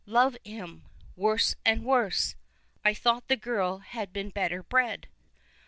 " Love him ! Worse and worse ! I thought the girl had been better bred."